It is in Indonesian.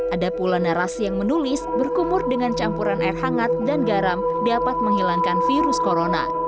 ada pula narasi yang menulis berkumur dengan campuran air hangat dan garam dapat menghilangkan virus corona